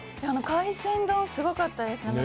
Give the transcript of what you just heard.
海鮮丼すごかったですね。